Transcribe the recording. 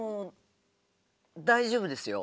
大丈夫ですよ。